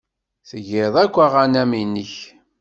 Tgiḍ akk aɣanen-nnek?